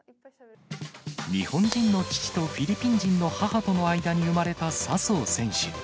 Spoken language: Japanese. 日本人の父とフィリピン人の母との間に産まれた笹生選手。